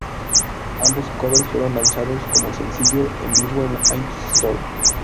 Ambos covers fueron lanzados como sencillos en vivo en la iTunes Store.